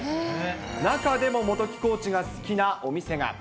中でも元木コーチが好きなお店が。